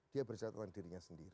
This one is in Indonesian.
dia bercerita tentang dirinya sendiri